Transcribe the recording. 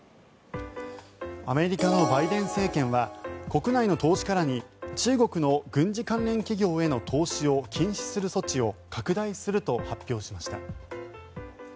アメリカのバイデン政権は国内の投資家らに中国の軍事関連企業への投資を禁止する措置を拡大すると発表しました。